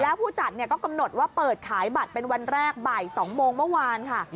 แล้วผู้จัดก็กำหนดว่าเปิดขายบัตรเป็นวันแรกบ่าย๒โมงเมื่อวานค่ะ